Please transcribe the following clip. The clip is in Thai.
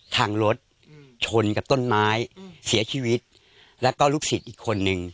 ทางรถชนกับต้นไม้เสียชีวิตแล้วก็ลูกศิษย์อีกคนนึง